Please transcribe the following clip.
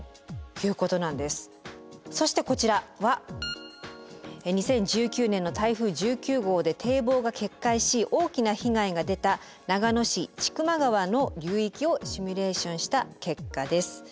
そしてこちらは２０１９年の台風１９号で堤防が決壊し大きな被害が出た長野市千曲川の流域をシミュレーションした結果です。